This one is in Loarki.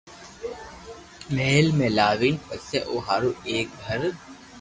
مھل ۾ لاوين پسي او ھارو ايڪ گھر